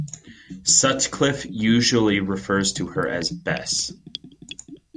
Sutcliff usually refers to her as "Bess".